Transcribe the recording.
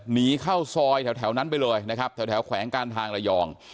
หนีเข้าซอยแถวนั้นไปเลยนะครับแถวแขวงการทางระยอง